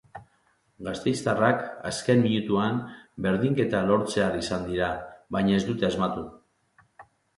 Gasteiztarrak azken minutuan berdinketa lortzear izan dira baina ez dute asmatu.